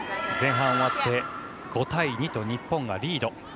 前半終わって５対２と日本リード。